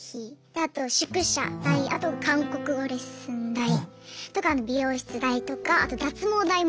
あと宿舎代あと韓国語レッスン代とか美容室代とかあと脱毛代もあって。